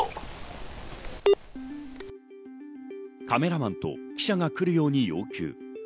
カメラマンと記者が来るように要求。